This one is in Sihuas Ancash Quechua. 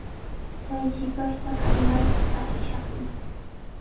Chay shipashtaqa imaypis ashishaqmi.